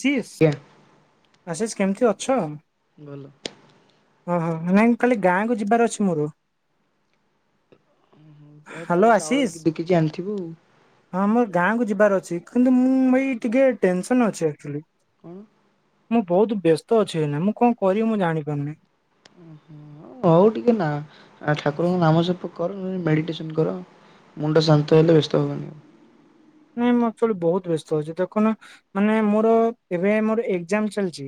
ଶିଷ ଆଜ୍ଞା ଆଶିଷ କେମିତି ଅଛ? ଭଲ। ଓହୋ ନାଇଁ କାଲି ଗାଁକୁ ଯିବାର ଅଛି ମୋର। ଆଉ ହ୍ୟାଲୋ ତାହେଲେ ଚାଉଳ ଆଶିଷ ଦେଖିଛି ଆଣିଥିବୁ ହଁ ମୋର ଗାଁକୁ ଯିବାର ଅଛି। କିନ୍ତୁ ମୁଁ ଭାଇ ଟିକେ ଟେନସନରେ ଅଛି ଅକ୍ଚୁଆଲି। କଣ? ମୁଁ ବହୁତ ବ୍ୟସ୍ତ ଅଛି ଏଇନା ମୁଁ କଣ କରିବି ମୁଁ ଜାଣିପାରୁନି। ହୁଁ ହଉ ଟିକେ ନା ଠାକୁରଙ୍କ ନାମ ଜପ କଲ୍ ମୁ ମେଡ଼ିଟେସନ୍ କର ମୁଣ୍ଡ ଶାନ୍ତ ହେଲେ ବ୍ୟସ୍ତ ହବନି। ନାଇଁ ମୁଁ ଆକ୍ଚୁଆଲି ବହୁତ ବ୍ୟସ୍ତ ଅଛି ଦେଖୁନା ମାନେ ମୋର ଏବେ ମୋର ଏଗଜାମ୍ ଚାଲିଛି।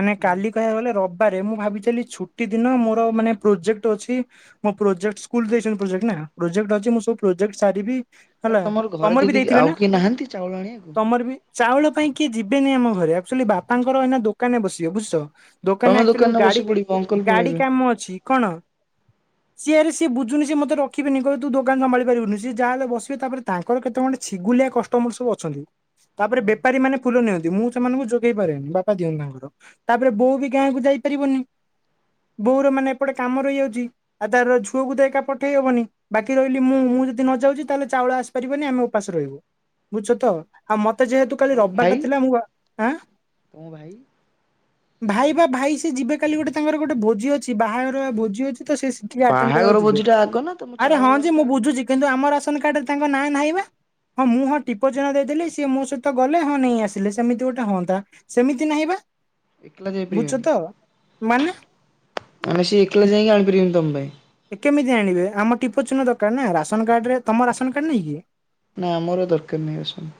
ମାନେ ହଁ କାଲି କହିବାକୁ ଗଲେ ରବି ବାରେ ମୁଁ ଭାବିଥିଲି ଛୁଟି ଦିନ ମୋର ମାନେ ପ୍ରୋଜେକ୍ଟ ଅଛି ମୋ ପ୍ରୋଜେକ୍ଟ ସ୍କୁଲ ଦେଇଛନ୍ତି ପ୍ରୋଜେକ୍ଟ ନା। ପ୍ରୋଜେକ୍ଟ ଅଛି ମୋର ସବୁ ପ୍ରୋଜେକ୍ଟ ସାରିବି ତାହେଲେ ତମର ଘରେ ଦେଇଦେଇଯା ଥିବେ ନା ତମର ବି ଚାଉଳ ପାଇଁ କିଏ ଯିବେନି ଆମ ଘରେ ଆକ୍ଚୁଲି ବାପାଙ୍କର ଏଇନା ଦୋକାନରେ ବସିବେ ବୁଝୁଚ। ଦୋକାନରେ ତମେ ଆକ୍ଚୁଆଲି ବସି ପଡିବ ଅଙ୍କଲ ଗାଡି-ଗାଡି ପଳେଇବେ କାମ ଅଛି କଣ? ସିଏ ଆରେ ସିଏ ବୁଝୁନି ମତେ ରଖିବେନି ଦୋକାନ ସମ୍ଭଳି ପାରିବୁନି ସିଏ ଯାହାହେଲେ ବସିବେ ତାପରେ ତାଙ୍କର କେତେ ସିଗୁଲିଆ କଷ୍ଟମର ସବୁ ଅଛନ୍ତି। ତାପରେ ବେପାରୀ ମାନେ ଫୁଲ ନିଅନ୍ତି ମୁଁ ସେମାନଙ୍କୁ ଯୋଗେଇ ପାରେନି ବାପା ଦିଅନ୍ତି ତାଙ୍କର ତାପରେ ବୋଉ ବି ଗାଁକୁ ଯାଇ ପାରିବନି। ବୋଉର ମାନେ ଏପଟେ କାମ ରହିଯାଉଛି ଆଉ ତାର ଝୁଅକୁ ତ ଏକା ପଠେଇ ହବନି ବାକି ରହିଲି ମୁଁ ମୁଁ ଯଦି ନ ଯାଉଛି ତାହେଲେ ଚାଉଳ ଆସିପାରିବନି ଆମେ ଉପାସ ରହିବୁ ବୁଝଛ ତ ଆଉ ମତେ ଯେହେତୁ କାଲି ତମ ରବିବାର ଭାଇ ଟା ଥିଲା ମୁଁ-ଆଁ ତମ ଭାଇ ଭାଇ ବା ଭାଇ ସେ ଯିବେ କାଲି ଗୋଟେ ତାଙ୍କର ଗୋଟେ ଭୋଜି ଅଛି ବାହାଘର ଭୋଜି ଅଛି। ସେ ତ ସେଠିକି ଆଟେଣ୍ଡ ବାହାଘର କରିବାକୁ ଯିବେ ଭୋଜି ଟା ଆଗ ନା ତମ ଆରେ ଚାଉଳ ହଁ ଯେ ଘରଟା ମୁଁ ଆଗ ବୁଝୁଛି କିନ୍ତୁ ଆମର ରାସନ କାର୍ଡରେ ତାଙ୍କ ନାଁ ନାହିଁ ବା। ହଁ ମୁଁ ହଁ ଟିପଚିହ୍ନ ଦେଇଥିଲି ସିଏ ମୋ ସହିତ ଗଲେ ହଁ ନେଇ ଆସିଲେ ସେମିତି ଗୋଟେ ହଅନ୍ତା ସେମିତି ନାହିଁ ବା ଏକଲା ବୁଝୁଛ ତ। ମାନେ ଯାଇପାରିବେନି ମାନେ ସିଏ ଏକଲା ଯାଇକି ଆଣିପାରିବେନି ତମ ପାଇଁ କେମିତି ଆଣିବେ ଆମ ଟିପୋ ଚିହ୍ନ ଦରକାର ନା ରାସନ କାର୍ଡରେ ତମ ରାସନ କାର୍ଡ ନାହିଁକି? ନା ଆମର ଦରକାର ନାହିଁ ରାସନ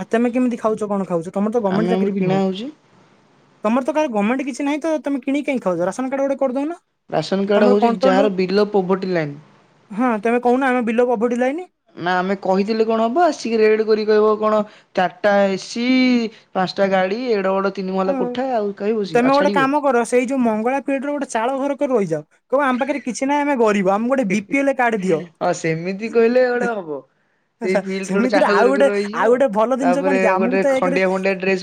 ଆଉ ତମେ କେମିତି ଖାଉଛ କଣ ଖାଉଛ ତମର ତ ଆମେ ଗମେଣ୍ଟ ଆମର ଚାକିରି ବି କିଣା ନୁହଁ ହଉଛି ତମର ତ କେବେ ଗମେଣ୍ଟ୍ ବି କିଛି ନାଇଁତ ତମେ କିଣିକି କାଇଁ ଖାଉଛ ରାସନ କାଡ୍ ଗୋଟେ କରିଦଉନ। ରାସନ କାର୍ଡ ତମର ହଉଛି କଣ୍ଟ୍ରୋଲରୁ ଯାହାର ବିଲୋ ପୋଭର୍ଟି ଲାଇନ୍। ହଁ ତମେ କହୁନ ଆମେ ବିଲୋ ପୋଭର୍ଟି ଲାଇନି। ନା ଆମେ କହିଥିଲେ କଣ ହବ ଆସିକି ରେଡ କରି କହିବ କଣ ଚାରିଟା ଏସି ଦଶଟା ଗାଡି ଏଡେବଡ଼ ହଁ ତମେ ଗୋଟେ କାମ କର ସେଇ ଯୋଉ ମଙ୍ଗଳା ପିଢ ର ଗୋଟେ ଚାଳ ଘର କରି ରହିଯାଉ କ ଆମ ପାଖରେ କିଛି ନାହିଁ ଆମେ ଗିରିବ। ଆମ ଗୋଟେ ବି ପି ଏଲ କାର୍ଡ ଦିଅ। ହଁ ସେମିତି କହିଲେ ଗୋଟେ ହବ ସେଇ ହେଲା ଫିଲ୍ଡରେ ଗୋଟେ ଚାଳ ସେମିତିରେ ଆଉ ଘର ଗୋଟେ କରି ରହିଯିବ। ଆଉ ଗୋଟେ ଭଲ ଜିନିଷ କଣ ତାପରେ କି ଆମକୁ ଗୋଟେ ତ ଏକରେ ଖଣ୍ଡିଆ ଖଣ୍ଡିଆ ଡ୍ରେସ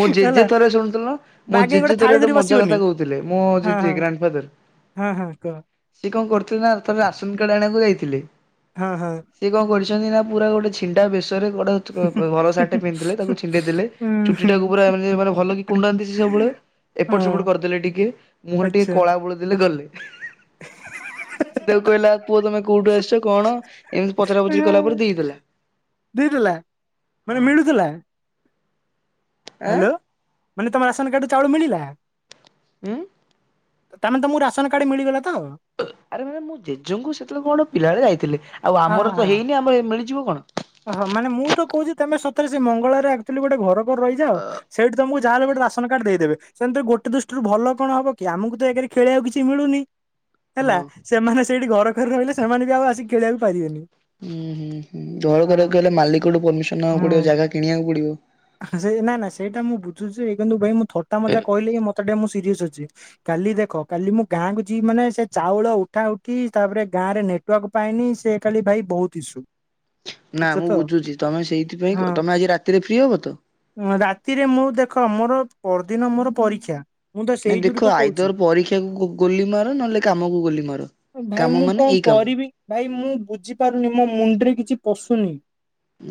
ମୁଁ ହେଲା ଜେଜେ ଥରେ ଶୁଣୁଥିଲ ମୋ ବାଗେଇ ଜେଜେ ଥାଳି ଥରେ ଧରି ଗୋଟେ ମଜା ବସିବନି କଥା କହୁଥିଲେ ମୋ ଜେଜ ଗ୍ରାଣ୍ଡ ଫାଦର। ହଁ-ହଁ କୁହ। ସେ କଣ କରୁଥିଲେ ନା ଆରଥର ରାସନ କାର୍ଡ ଆଣିବାକୁ ଯାଇଥିଲେ। ହଁ-ହଁ। ଛନ୍ତି ନା ପୁରା ଗୋଟେ ଛିଣ୍ଡା ବେ ଟା ଭଲ ସାଟ୍ ଟେ ପିନ୍ଧିଥିଲେ ତାକୁ ଛିଣ୍ଡେଇ ଦେଲେ ଚୁଟି ଟାକୁ ପୁରା ଭଲ କୁଣ୍ଡାନ୍ତି ସେ ସବୁ ଳେ ଏପଟ ସେପଟ କରିଦେଲେ ଟିକେ ମୁହଁରେ ଟିକେ କଳା ବୋଳିଦେଲେ ଗଲେ। ସି ତାକୁ କହିଲା ପୁଅ ତମେ କୋଉଠୁ ଆସିଛ କଣ ଏମିତି ପଚରା ପଚୁରି କଲା ପରେ ଦେଇଦେଲା। ଦେଇଦେଲା ମାନେ ମିଳୁଥିଲା। ଆଁ ହ୍ୟାଲୋ ମାନେ ତମ ରାସନ କାର୍ଡୁରୁ ଚାଉଳ ମିଳିଲା। ଉଁ। ତମେ ତମକୁ ରାସନ କାର୍ଡ ମିଳିଗଲା ତ ଆରେ ମାନେ ମୁଁ ଜେଜେଙ୍କୁ ସେତେବେଳେ କଣ ପିଲାବେଳେ ଯାଇଥିଲି। ଅହୋ ହ ଓହୋ ମାନେ ମୁଁ ତ କହୁଛି ତମେ ସତ ସେ ମଙ୍ଗଳ ଆକ୍ଚୁଆଲି ଗୋଟେ ଘର କରି ରହିଯାଅ ସେଇଠି ତମକୁ ଯାହାେଲେ ଗୋଟେ ରାସନ କାର୍ଡ ଦେଇଦେବେ ସେମତି ଗୋଟେ ଦୃଷ୍ଟିରୁ ଭଲ କଣ ହବ କି ଆମକୁ ତ ଏକରେ ଖେଳିବାକୁ କିଛି ମିଳୁନି। ହେଲା ହୁଁ ସେମାନେ ସେଇଠି ଘର କରି ରହିଲେ ସେମାନେ ବି ଆଉ ଆସିକି ଖେଳିବାକୁ ପାରିବେନି। ହୁଁ-ହୁଁ-ହୁଁ ଘର ହଁ କରିବାକୁ ହେଲେ ମାଲିକଠୁ ପରମିସନ ନବାକୁ ହୁଁ ପଡିବ ଜାଗା କିଣିବାକୁ ପଡିବ। ସେ ନାଇଁ ନାଁ ସେଇଟା ମୁଁ ବୁଝୁଛି କିନ୍ତୁ ଭାଇ ମୁଁ ଥଟା ମଜା କହିଲେ କିି ମତ ଟିକେ ମୁଁ ସିରିୟସ ଅଛି। କାଲି ଦେଖ କାଲି ମୁଁ ଗାଁ କୁ ଯିବି ମାନେ ସେ ଚାଉଳ ଉଠା ଉଠି ତାପରେ ଗାଁ ରେ ନେଟୱାର୍କ ପାଇନି ଖାଲି ଭାଇ ବହୁତ ଇସୁ। ନା ବୁଝୁଛ ମୁଁ ତ ବୁଝୁଛି ତମେ ହଁ ସେଇଥିପାଇଁ ତମେ ଆଜି ରାତିରେ ଫ୍ରି ହବ ତ? ରାତିରେ ମୁଁ ଦେଖ ମୋର ପରଦିନ ମୋର ପରୀକ୍ଷା। ମୁଁ ତ ସେଇ ନ ଯୋଗୁରୁ ତ ଦେଖ କହୁଛି। ଆଇଦର ପରୀକ୍ଷାକୁ ଗୋଲି ମାର ନହେଲେ କାମକୁ ଗୋଲି ମାର। ଭାଇ କାମ ମୁଁ ମାନେ କଣ ଏଇ କାମ କରିବି ଭାଇ ମୁଁ ବୁଝିପାରୁନି ମୋ ମୁଣ୍ଡରେ କିଛି ପଶୁନି।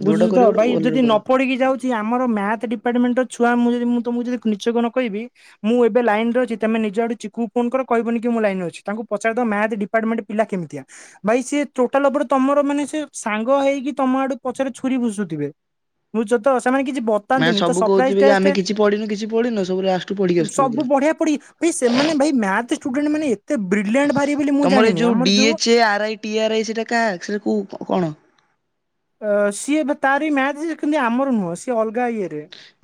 ଯୋଉଟା ବୁଝୁଛ ତ କରିବ ଗୋଟେ ଭାଇ ଭଲରେ ଯଦି କର। ନ ପଢିକି ଯାଉଛି ଆମର ମ୍ୟାଥ ଡିପାର୍ଟମେଣ୍ଟ ର ଛୁଆ ମୁ ଯ ମୁଁ ତମକୁ ଯଦି ନିଚକୁ ନ କହିବି ମୁଁ ଏବୋଇନରେ ଅଛି ତମେ ନିଜେ ଆଠି ଚିକୁ ଫୋନ କର କହିବନି କି ମୁଁ ଲାଇନ ରେ ଅଛି। ତାଙ୍କୁ ପଚାରି ଦିଅ ମ୍ୟାଥ ଡିପାର୍ଟମେଣ୍ଟ ପିଲା କେମିତିଆ ଭାଇ ସି ଟୋଟାଲ ଉପରେ ତମର ମାନେ ସେ ସାଙ୍ଗ ହେଇକି ତମ ଆଡୁ ପଛରେ ଛୁରୀ ବୁସୁଥିବେ। ବୁଝୁଛ ତ। ସେମାନେ କିଛି ମାନେ ବତାନ୍ତିନି ତ ସବୁ ସପ୍ରାଇଜ କହୁଥିବେ କି ଟେଷ୍ଟ ଆମେ କିଛି ପଢିନୁ କିଛି ପଢିନୁ ସବୁ ଲାଷ୍ଟକୁ ପଢିକି ଆସୁଥିବେ ସବୁ ପୁରା। ବଢ଼ିଆ ପୋଡି ସେମାନେ ଭାଇ ମ୍ୟାଥ୍ ଷ୍ଟୁଡେଣ୍ଟ ମାନେ ଏ ତମର ଏଇ ଯୋଉ D H R I T R I ସେଟା କାକ୍ସରେ କୋଉ କଣ? ଅ ସିଏ ତାର ମ୍ୟାଥ୍ ଯେ ଆମର ନୁହଁ ସିଏ ଅ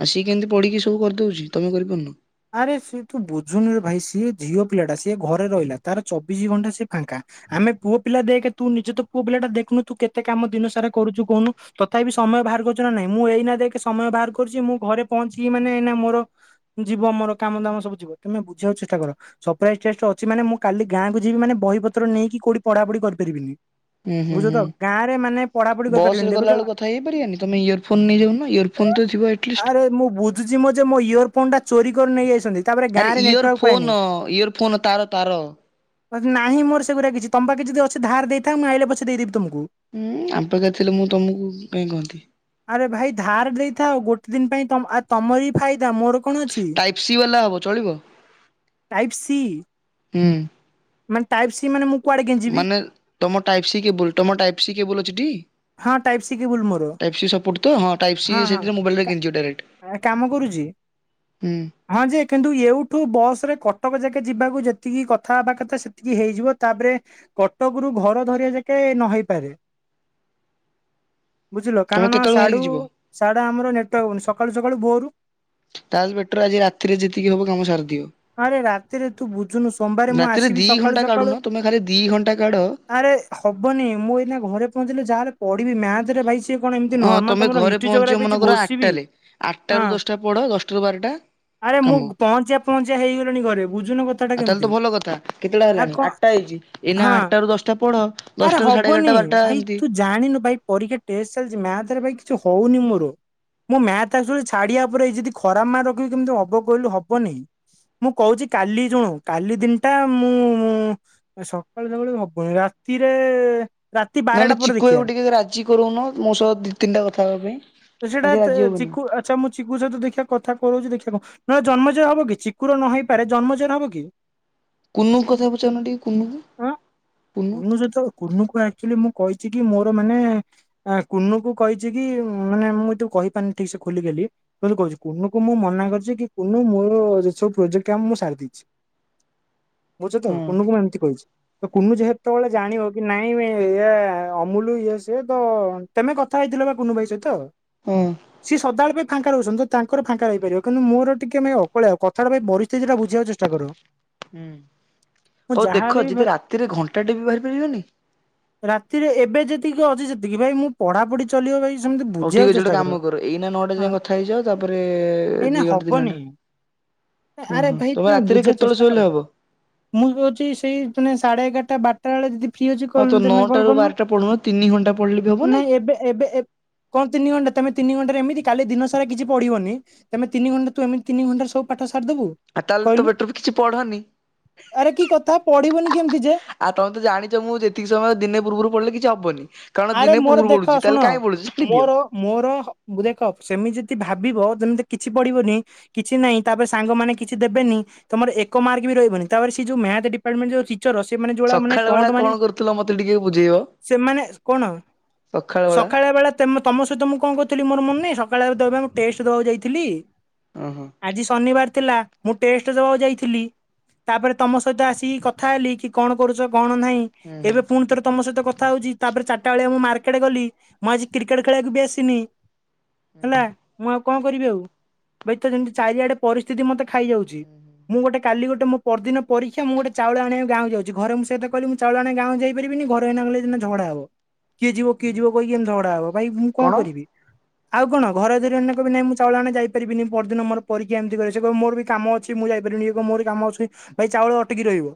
ଆସିକି କେମିତି ପଢିକି ସବୁ କରିଦଉଛି ତମେ କରିପାରୁନ। ଆରେ ସିଏ ତୁ ବୁଝୁନୁରେ ଭାଇ ସିଏ ଝିଅ ପିଲାଟା ସିଏ ଘରେ ରହିଲା ତାର ଚବିଶି ଘଣ୍ଟା ସିଏ ଫାଙ୍କା। ଆମେ ପୁଅ ପିଲା ଦେକେ ତୁ ନିଜେ ତ ପୁଅ ପିଲା ଟା ଦେଖୁନୁ ତୁ କେତେ କାମ ଦିନ ସାରା କରୁଛୁ କହୁନୁ ତଥାପି ସପ୍ ସମୟ ବାହାର କରୁ ନା ନାଇଁ ମୁଁ ଏଇନା ଦେକି ସମୟ ବାହାର କରୁଛି ମୁଁ ଘରେ ପହଞ୍ଚିକି ମାନେ ଏନା ମୋର ଯିବ ଆମର କାମ ଦାମ ସବୁ ଯିବ ତମେ ବୁଝିବାକୁ ଚେଷ୍ଟା କର ସପ୍ରାଇଜ ଟେଷ୍ଟ ଅଛି ମାନେ ମୁଁ କାଲି ଗାଁକୁ ଯିବି ମାନେ ବହି ପତ୍ର ନେଇକି କୋଉଠି ପଢାପଢି କରିପାରିବିନି। ହୁଁ ହୁଁ ବୁଝ ହୁଁ। ତ ଗାଁ ରେ ମାନେ ପଢାପଢି ବସ୍ ରେ କରିପାରିବେନି ଦେଖୁଛ ଗଲାବେଳକୁ କଥା ହେଇପାରିବାନି ତମେ ଇୟର ଫୋନ ନେଇଯାଉନ ଇୟର ଫୋନ ତ ଥିବ ଆଟଲିଷ୍ଟ। ଆରେ ମୁଁ ବୁଝୁଛି ମୋ ଯେ ମୋ ଇୟର ଫୋନ ଟା ଚୋରି କରି ନେଇ ଯାଇଛନ୍ତି। ଆରେ ଇୟର ଫୋନ-ଇୟର ଫୋନ ତାର-ତାର ନାହିଁ ମୋର ସେଗୁରା କିଛି ତ ପାଖ ଯଦି ଅଛି ଧାର ଦେଇଥା ମୁଁ ଆଇଲେ ପଛେ ଦେଇଦବି ତମକୁ। ହୁଁ ଆମ ପାଖରେ ଥିଲେ ମୁଁ ତମକୁ କାହିଁ କହନ୍ତି? ଆରେ ଭାଇ ଧାର ଦେଇଥାଉ ଗୋଟେ ଦିନ ପାଇଁ ତମର ବି ଫାଇଦା ମୋର କଣ ଟାଇପ ସି ବାଲା ହବ ଚଳିବ। ଟାଇପ ସି ହୁଁ। ମାନେ ଟାଇପ ସି ମାନେ ମୁଁ କୁଆଡେ ଗେଞ୍ଜିବି ମାନେ ତମ ଟାଇପ ସି କେବୁଲ ତମ ଟାଇପ୍ ସି କେବୁଲ ଅଛି ଟି? ହଁ ଟାଇପ ସି କେବୁଲ ମୋର। ଟାଇପ୍ ସି ସପୋର୍ଟ ତ ହଁ ଟାଇପ୍ ସି ହଁ-ହଁ ସେଥିରେ ମୋବାଇଲରେ କିଣିଯିବ ଡାଇରେକ୍ଟ। କା-କାମ କରୁଛି। ହୁଁ ହଁ ଯେ କିନ୍ତୁ ଏଉଠୁ ବସରେ କଟକ ଯାକେ ଯିବାକୁ ଯେତିକି କଥା ହବା କଥା ସେତିକି ହେଇଯିବ ତାପରେ କଟକରୁ ଘର ଧରିବା ଯାକେ ନହ ହୋଇପାରେ। ବୁଝିଲୁ ତମେ କାରଣ କେତେବେଳେ ବାହାରିକି ସାଢୁ ଯିବ ସାଡେ ଆମର ନେଟୱର୍କ ହଉନି ସକାଳୁ ସକାଳୁ ଭୋରୁ ତାହେଲେ ବେଟର ଆଜି ରାତିରେ ଯେତିକି ହବ କାମ ସାରିଦିଅ। ଆରେ ରାତିରେ ତୁ ବୁଝୁନୁ ସୋମବାରେ ମୁଁ ରାତିରେ ଆସିବି ଦି ସକାଳୁ ଘଣ୍ଟା ସକାଳୁ କାଢୁନ ତମେ ଖାଲି ଦି ଘଣ୍ଟା କାଢ ଆରେ ହବନି ମୁଁ ଏଇନା ଘରେ ପହଞ୍ଚିଲି। ଯାହେଲେ ପଢିବି ମ୍ୟାଥରେ ଭାଇ କି କଣ ଏମିତି ହଁ ନର୍ମାଲ ତମେ ତମର ଘରେ ହିଷ୍ଟି ପହଞ୍ଚିବ ଜୋଗ୍ରାଫି ହେଇଚି ମନେକର ଘୋଷିବି ଆଠଟାରେ ହଁ। ଆଠଟାରୁ ଦଶଟା ପଢ ଦଶଟାରୁ ବାରଟା ଆରେ ମୁଁ କାମ। ପହଁଞ୍ଚିଆ ପହଞ୍ଚିଆ ହେଇଗଲିଣି ଘରେ ବୁଝୁନ କଥାଟା ଆଉ ତାହେଲେ ତ କେମିତି ଭଲ କଥା କେତେଟା ଆଉ ହେଲାଣି କଣ। ଆଠଟା ହେଇଛି ଏଇନା ହଁ ଆଠଟ ରାରୁ ଦଶଟା ପଢ ଆରେ ଦଶଟାରୁ ସାଢେ ହବନି ଏଗାରଟା ବାରଟା ଭାଇ ଏମିତି ତୁ ଜାଣିନୁ ଭାଇ ପରୀକ୍ଷା ଟେଷ୍ଟ ଚାଲିଛି, ମ୍ୟାଥରେ ଭାଇ କିଛି ହଉନି ମୋର। ମୁଁ ମ୍ୟାଥ ଆକ୍ଚୁଆଲି ଛାଡିବା ଉପରେ, ଏଇ ଯଦି ଖରାପ ମାର୍କ ରଖିବି କେମିତି ହବ କହିଲୁ ହବନି। ମୁଁ କହୁଛି କାଲି ଶୁଣୁ କାଲି ଦିନଟା ମୁଁ ମୁଁ ସକାଳୁ ସକାଳୁ ବି ହବନି ରା ତିରେ ରାତି ବାରଟା ପରେ ଚିକୁ ଦେଖିବା ଭାଈକୁ ଟିକେ ରାଜି କରୁଉନ ମୋ ସହ ଦି ତିନିଟା କଥା ହେବା ପାଇଁ। ସେଇଟା ଆଜି ତ ରାଜି ହବନି। ଚିକୁ ଆଚ୍ଛା ମୁଁ ଚିକୁୁ ସହିତ ଦେଖିଆ କଥା କରଉ ଦେଖିବ ନହେଲେ ଜନ୍ମଜୟ ହବ କି ଚିକୁୁର ନ ହେଇପାରେ ଜନ୍ମଜୟର ହବ କି? କୁନୁ କଥା ପଚାଉନା ଟିକେ କୁନୁର ଆଁ କୁନୁ। ସହିତ କୁନୁକୁ ଆକ୍ଚୁଆଲି ମୁଁ କହିଛି କି ମୋର ମାନେ ଆ କୁନୁକୁୁ କହିଛି କି, ମାନେ ମୁଁ ଏ ତୁ କହିପାରୁନି ଠିକ ସେ ଖୋଲିଖାଲ କିଏ କହିଲି କହୁଚି କୁନୁ କୁ ମୁଁ ମନା କରିଛି କି କୁନୁ ମୋର ସବୁ ପ୍ରୋଜେକ୍ଟ କାମ ମୁଁ ସାରି ଦେଇଛି। [inaudible] ବୁଝୁଚ ହଁ। କୁନୁକୁ ମୁଁ ଏମତି କହିଛି। ତ କୁନୁ ଯେହେତବେଳେ ଜାଣିବ କି ନାଇଁବେ ଏଇୟା ଆ ଅମୁଲ ଇଏ ସିଏ ତ ତମେ କଥା ହେଇଥିଲ ବା କୁନୁ ଭାଇ ସହିତ। ହଁ ସିଏ ସଦାବେଳେ ଫାଙ୍କା ରହୁଛନ୍ତି ତ ତାଙ୍କର ଫାଙ୍କା ହେଇପାରିବ। କିନ୍ତୁ ମୋର ଟିକେ ଭାଈ ଅକଳିଆ କଥାଟା ଭାଈ ପରିସ୍ଥିତି ଟା ବୁଝିବାକୁ ଚେଷ୍ଟା କର। ହୁଁ ମୁଁ ହଉ ଯାହାହେଲେ ଦେଖ ବି ଯଦି ରାତିରେ ଘଣ୍ଟାଟେ ବି ବାହାରି ପାରିବାନି। ସେଥିରେ ଏବେ ଯେତିକି ଅଛି ସେତିକି, ଭାଇ ମୁଁ ପଢାପଢି ଚାଲିବ ଭାଇ ସେମିତି ହଉ ବୁଝିବାକୁ ଠିକ ଅଛି ଗୋଟେ ଚେଷ୍ଟା କାମ କର। ଏଇନା ନଅଟା ହଁ ଯାଏ କଥା ହେଇଯାଅ, ତାପରେ ଏଇନା ଦି ଘଣ୍ଟା ତିନି ହବନି ଘଣ୍ଟା ହୁଁ ଆରେ ହୁଁ ଭାଇ ତମେ ତୁମେ ରାତିରେ ବୁଝ କେତେବେଳେ ଚେଷ୍ଟା ଶୋଇଲେ କର। ହବ? ମୁଁ କହୁଛି ସେଇ ମାନେ ସାଢେ ଏଗାରଟ ବାରଟା ବେଳେ ଯଦି ଫ୍ରି ଅଛି, ହଁ ତ କଲ ତମେ ନଅଟା କଲ ରୁ କରୁନ ବାରଟା ପଢୁନ ତିନି ଘଣ୍ଟା ପଢିଲେ ବି ହବନି ନାଇଁ ଏବେ ଏବେ ଏ କଣ ତିନି ଘଣ୍ଟା ତମେ ତିନି ଘଣ୍ଟାରେ ଏମିତି କାଲି ଦିନ ସାରା କିଛି ପଢିବନି। ତମେ ତିନି ଘଣ୍ଟ ତୁ ଏମିତିି ତିନି ଘଣ୍ଟାରେ ସବୁପାଠ ସା ଆଉ ତାହେଲେ ତ ବେଟର ହବ କିଛି ପଢନି। ଆରେ କି କଥା ପଢିବନି କେମିତି ଯେ ଆଉ ତମେ ତ ଜାଣିଛ ମୁଁ ଯେତିକି ସମୟ ଦିନେ ପୂର୍ବରୁ ପଢିଲେ କିଛିହବନି। ଆରେ ମୋର ଦେଖ ଶୁଣ ଛାଡି ଦିଅ। ମୋର ମୋର ହ ଦେଖ ସେମିତି ଯ ଦି ଭାବିବ ତମେ ତ କିଛି ପଢିବନି କିଛି ନାଇଁ। ତାପରେ ସାଙ୍ଗମାନେ କିଛି ଦେବେନି। ତମର ଏକ ମାର୍କ ରହିବନି ତାପରେ ସେ ଯୋଉ ମ୍ୟାଥ ଡିପାର୍ଟମେଣ୍ଟ ଯୋଉ ଅଛି। ଟିଚର ସେମାନେ ଯୋଉ ଭଳିଆ ମାନେ ସକାଳ ଟଣ୍ଟ ବେଳା କଣ ମାରି କରୁଥିଲ ମତେ ଟିକେ ବୁଝେଇବ ସେମାନେ ସକାଳେ ବେଳା ତେମେ ତମ ସହିତ ମୁଁ କଣ କରୁଥିଲି ମୋର ମନେନାହିଁ। ସକାଳେ ତେବେ ମୁଁ ଟେଷ୍ଟ ଦବାକୁ ଯାଇଥିଲି। ଓହୋ ଆଜି ଶନିବାର ଥିଲା ମୁଁ ଟେଷ୍ଟ ଦବାକୁ ଯାଇଥିଲି। ତାପରେ ତମ ସହିତ ଆସିକି କଥା ହେଲି କି କଣ କରୁଚ? କଣ ନାହିଁ, ହୁଁ ହୁଁ ଏବେ ପୁଣି ଥରେ ତମ ସହିତ କଥା ହଉଛି। ତାପରେ ଚା ଟା ବେଳିଆ ମୁଁ ମାର୍କେଟ ଗଲି। ମୁଁ ଆଜି କ୍ରିକେଟ ଖେଳିବାକୁ ବି ଆସିନି ହେଲା। ମୁଁ ଆଉ କଣ କରିବି ଆଉ। ଭାଇ ତ ଯେମତି ଚାରିଆଡେ ପରିସ୍ଥିତି ମତେ ଖାଇଯାଉଛି। ହୁଁ ହୁଁ। ମୁଁ ଗୋଟେ କାଲି ଗୋ ମୁଁ ପରଦିନ ପରୀକ୍ଷା ମୁଁ ଗୋଟ ଚାଉଳ ଆଣିବାକୁ ଗାଁକୁ ଯାଉଛି। ଘରେ ମୁଁ ସେ କଥା କହିଲି ମୁଁ ଚାଉଳ ଆଣିବାକୁ ଗାଁକୁ ଯାଇପାରିବିନି। ଘରେ ଏଇନା କହିଲେ ନା ଝଗଡା ହବ କିଏ ଯିବ କିଏ ହୁଁ ଯିବ କହିକି ଏମିତି ଝଗଡା ହବ। ଭାଇ ମୁଁ କଣ କରିବି? ଆଉ କଣ ଘରେ ଧରି ଏଇନେ କହିବେ ନାଇଁ ମୁଁ ଚାଉଳ ଆଣିବାକୁ ଯାଇପାରିବିନି। ପରଦିନ ମୋର ପରୀକ୍ଷା ଏମିତି କହିଲେ ସେ କହିବ ମୋର ବି କାମ ଅଛି ମୁଁ ଯାଇ ଯାଇପାରିବିନି ମୋର କାମ ଅଛି ଭାଇ ଚାଉଳ ଅଟକି ରହିବ।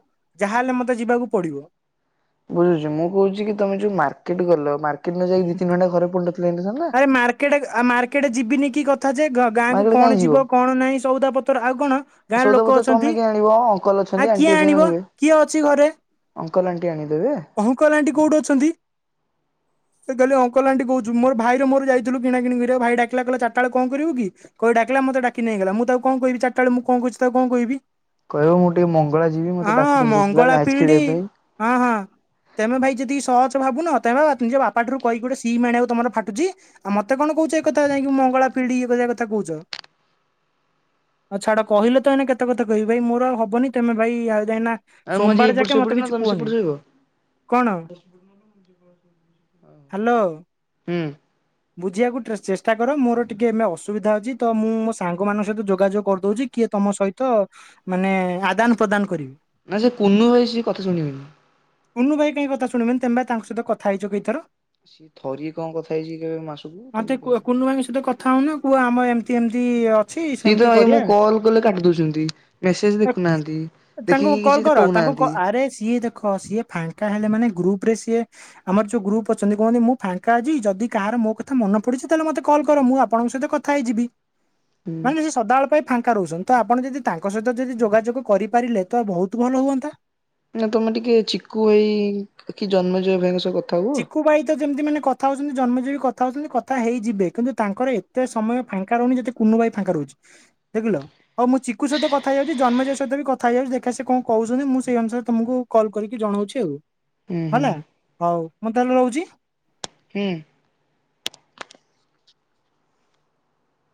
ଯାହାହେଲେ ମତେ ଯିବାକୁ ପଡିବ। ବୁଝୁଛି ମୁଁ କହୁଛି କି ତମେ ଯୋଉ ମାର୍କେଟ ଗଲ ମାର୍କେଟ ନ ଯାଇ ଦି ତିି ଘଣ୍ଟା ଘରେ ପଢ ଆରେ ମାର୍କେଟ ଆ ମାର୍କେଟ ଯିବିନି କି କ କଥା ଯେ ଗାଁ କୁ ମାର୍କେଟ କାହିଁ କଣ ଯିବ କଣ ନାହିଁ ସଉଦା ପତ୍ର ଆଉ କଣ ଗାଁର ଲୋକ ସଉଦାପତ୍ର ତମେ ଅଛନ୍ତି। କାଇଁ ଆଣିବ ଅଙ୍କଲ ଆ ଅଛନ୍ତି କିଏ ଆଣ୍ଟି ଅଛନ୍ତି ଆଣିବ ଆଣିବେ। କିଏ ଅଛି ଘରେ। ଅଙ୍କଲ ଆଣ୍ଟି ଆଣିଦେବେ ଅଙ୍କଲ ଆଣ୍ଟି କୋଉଠି ଅଛନ୍ତି। ସେ ଖାଲି ଅଙ୍କଲ୍ଟ ଆଣ୍ଟି କହୁଛୁ ମୋର ଭାଇର ମୋର ଯାଇଥିଲୁ କିଣା କିଣି କରିବାକୁ। ଭାଇ ଡାକିଲା କହିଲା ଚାରିଟା ବେଳେ କଣ କରିବୁ କି କହି ଡାକିଲା। ମତେ ଡାକିକି ନେଇଗଲା ମୁଁ ତାକୁ କଣ କହିବି। ଚାରିଟା ବେଳେ ମୁଁ କଣ କରୁଛି ତାକୁ କଣ କହିବି। କହିବ ମୁଁ ଟିକେ ମଙ୍ଗଳା ଯିବି [inaudible] ମତେ ହଁ ଡାକୁଛନ୍ତି ପିଲା ମଙ୍ଗଳା ମ୍ୟାଚ ପିଇଡି ଖେଳିବା ପାଇଁ। ହଁ ହଁ। ତେମେ ଭାଇ ଯେତିକି ସହଜ ଭାବୁନ ତମେ ବା ନିଜ ବାପା ଠାରୁ କହି ଗୋଟେ ସିମ୍ ଆଣିବାକୁ ତମର! ! ! ! ! ! ! ! ! ! ଆଉ ମତେ କଣ କହୁଛ ଏ କଥା ଯାଇକି ମଙ୍ଗଳା ପିଢ଼ି ଇଏ କରିବା କଥା କହୁଛ? ଆଉ ଛାଡ଼ କହିଲେ ତ ଏଇନେ କେତେ କଥା କହିବି ଭାଇ ମୋର ହବନି ତମେ ଭାଇ ଆଉ ଯାଇନା ଆଉ ମୁଁ ଆଜି ସୋମବାର ଏଇପଟ ଯାକେ ସେପଟ ମତେ ନା କିଛି ତମେ ସେପଟ କୁହନି, ଶୋଇବ କଣ? ହ୍ୟାଲୋ। ହୁଁ। ବୁଝିବାକୁ ଚେଷ୍ଟା କର ମୋର ଟିକେ ଏବେ ଅସୁବିଧା ଅଛି ତ ମୁଁ ମୋ ସାଙ୍ଗ ମାନଙ୍କ ସହିତ ଯୋଗାଯୋଗ କରିଦଉଛି କିଏ ତମ ସହିତ ମାନେ ଆଦାନ ପ୍ରଦାନ କରିବେ। ନା ସେ କୁନୁ ଭାଇ ସେ କଥା ଶୁଣି ବେନି। କୁନୁ ଭାଇ କାହିଁ କଥା ଶୁଣି ବେନି ତେମେ ତାଙ୍କ ସହିତ କଥା ହେଇଛ କେଇ ଥର? [inaudible] ସେ ଥରିଏ କଣ କଥା ହେଇଛି କେବେ ମାସକୁ ତମେ ମତେ କହିବ। କୁହ କୁନୁ ଭାଇଙ୍କ ସହିତ କଥା ହଉନ କୁହ ଆମର ଏମିତି ଏମତି ସିଏ ତ ଭାଇ ମୁଁ କଲ କଲେ କାଟି ଦଉଛନ୍ତି, ମେସେଜ ଦେଖୁନାହାନ୍ତି, ଦେଖିକି କିଛି କହୁନାହାନ୍ତି। କହ ଆରେ ସିଏ ଦେଖ ସିଏ ଫାଙ୍କା ହେଲେ ମାନେ ଗ୍ରୁପ ସିଏ ଆମର ଯୋଉ ଗ୍ରୁପ୍ ଅଛନ୍ତି କୁହନ୍ତି ମୁଁ ଫାଙ୍କା ଅଛି ଯଦି କାହାର ମୋ କଥା ମନେ ପଡ଼ିଛି ତାହେଲେ ମୋତେ କଲ୍ କର ମୁଁ ଆପଣଙ୍କ ସହିତ କଥା ହେଇଯିବି। ହୁଁ। ମାନେ ସେ ସଦାବେଳ ପାଇଁ ଫା ରହୁଛନ୍ତି ତ ଆପଣ ଯଦି ତାଙ୍କ ସହିତ ଯଦି ଯୋଗାଯୋଗ କରିପାରିଲେ ତ ବହୁତ ଭଲ ହୁଅନ୍ତା। ନା ତମେ ଟିକେ ଚିକୁୁ ଭାଇ କି ଜନ୍ମଜୟ ଭାଇଙ୍କ ସହ କଥା ହୁଅ। ଚିକୁୁ ଭାଇ ତ ଯେମିତି ମାନେ କଥା ହଉଛନ୍ତି ଜନ୍ମଜୟ କଥା ହଉଛନ୍ତି କଥା ହେଇଯିବେ କିନ୍ତୁ ତାଙ୍କର ଏତେ ସମୟ ଫାଙ୍କା ରହୁନି ଯେତେ କୁନୁ ଭାଇ ଫାଙ୍କା ରହୁଛି। ଦେଖିଲ ହଉ ମୁଁ ଚିକୁ ସହିତ କଥା ହେଇ ଯାଉଛି ଜନ୍ମଜୟ ସହିତ ବି କଥା ହେଇଯାଉଛି ଦେଖିବା ସେ କଣ କହୁଛନ୍ତି ମୁଁ ସେଇ ଅନୁସାରେ ତମକୁ କଲ କରିକି ଜଣଉଛି ଆଉ ହୁଁ ହୁଁ ହେଲା ହଉ ମୁଁ ତାହେଲେ ରହୁଛି। ହୁଁ।